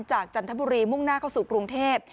จันทบุรีมุ่งหน้าเข้าสู่กรุงเทพ